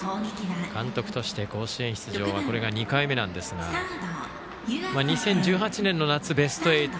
監督として甲子園出場はこれが２回目なんですが２０１８年の夏、ベスト８。